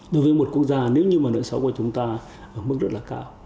đối với một quốc gia nếu như mà nợ xấu của chúng ta ở mức rất là cao